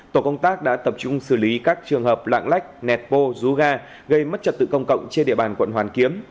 tổ công tác đã tập trung xử lý các trường hợp lạng lách nẹt bô rú ga gây mất trật tự công cộng trên địa bàn quận hoàn kiếm